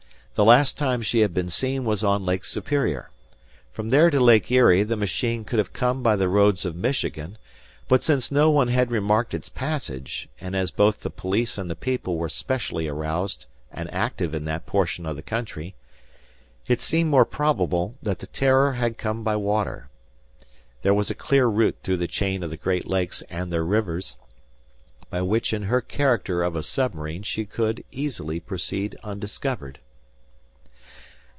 The last time she had been seen was on Lake Superior. From there to Lake Erie the machine could have come by the roads of Michigan, but since no one had remarked its passage and as both the police and the people were specially aroused and active in that portion of the country, it seemed more probable, that the "Terror" had come by water. There was a clear route through the chain of the Great Lakes and their rivers, by which in her character of a submarine she could easily proceed undiscovered.